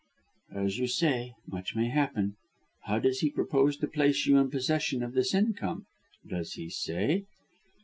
"As you say, much may happen. How does he propose to place you in possession of this income. Does he say?"